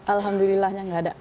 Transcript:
alhamdulillahnya nggak ada